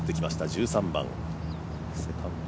１３番。